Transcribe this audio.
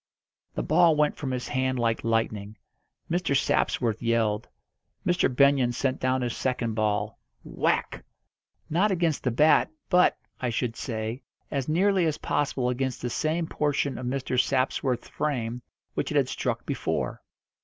The ball went from his hand like lightning. Mr. Sapsworth yelled. Mr. Benyon sent down his second ball whack! not against the bat, but, I should say, as nearly as possible against the same portion of Mr. Sapsworth's frame which it had struck before.